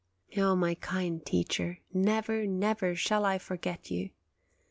Oh, my kind teacher, never, never shall I forget you